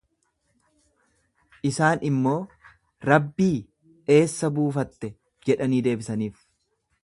Isaan immoo, Rabbii, eessa buufatte jedhanii deebisaniif.